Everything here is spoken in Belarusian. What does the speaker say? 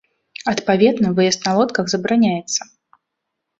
Адпаведна выезд на лодках забараняецца.